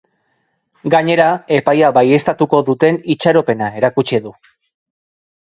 Gainera, epaia baieztatuko duten itxaropena erakutsi du.